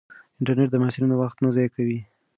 انټرنیټ د محصلینو وخت نه ضایع کوي.